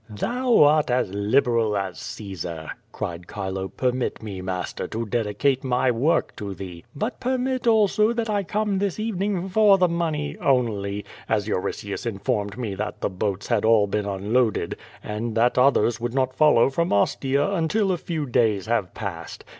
"Thou art as liberal as Caesar," cried Chilo; "permit me, master, to dedicate my work to thee, but permit also that I come this evening for the money only, as Euritius informed me that the boats had all been unloaded, and that others would not follow from Ostia until a few days have passed.